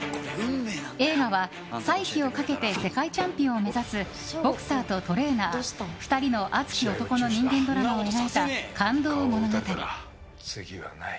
映画は再起をかけて世界チャンピオンを目指すボクサーとトレーナー２人の熱き男の人間ドラマを描いた感動物語。